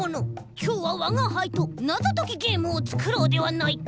きょうはわがはいとなぞときゲームをつくろうではないか。